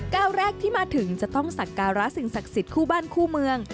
ก้าวแรกที่มาถึงจะต้องสักการะสิ่งศักดิ์สิทธิ์คู่บ้านคู่เมือง